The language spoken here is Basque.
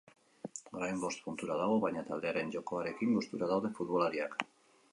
Orain bost puntura dago, baina taldearen jokoarekin gustura daude futbolariak.